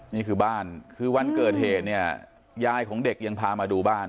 นี่คือบ้านคือวันเกิดเหตุเนี่ยยายของเด็กยังพามาดูบ้าน